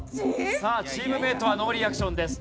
さあチームメートはノーリアクションです。